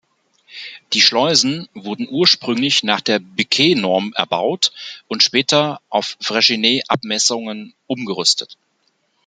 Die Schleusen wurden ursprünglich nach der Becquey-Norm erbaut und später auf Freycinet-Abmessungen umgerüstet.